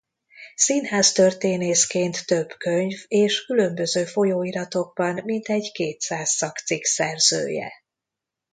Színháztörténészként több könyv és különböző folyóiratokban mintegy kétszáz szakcikk szerzője.